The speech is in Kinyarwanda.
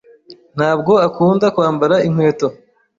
Ntabwo akunda kwambara inkweto.